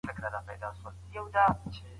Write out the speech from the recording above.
لمرلېمه